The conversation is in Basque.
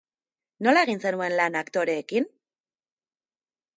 Nola egin zenuen lan aktoreekin?